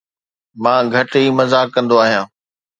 مان گهٽ ئي مذاق ڪندو آهيان